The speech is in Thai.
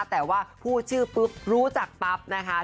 แต่ว่าพูดชื่อปุ๊บรู้จักปั๊บนะคะ